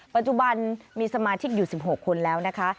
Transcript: ปัจจุบันมีสมาชิกอยู่๑๖คนแล้วนะคะ